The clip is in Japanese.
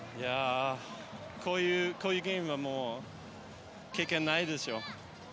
こういうゲームは経験ないです。